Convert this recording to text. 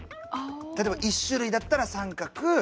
例えば１種類だったら三角。